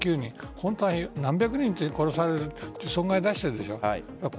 本当は何百人と殺される損害を出しているでしょう。